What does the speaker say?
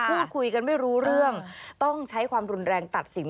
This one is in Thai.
พูดคุยกันไม่รู้เรื่องต้องใช้ความรุนแรงตัดสิน